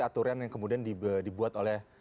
aturan yang kemudian dibuat oleh